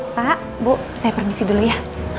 pak bu saya permisi dulu ya